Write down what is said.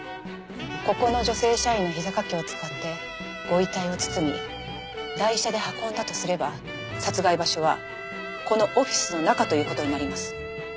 ここの女性社員のひざ掛けを使ってご遺体を包み台車で運んだとすれば殺害現場はこのオフィスの中という事になります。